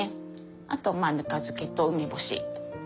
あとまあぬか漬けと梅干し。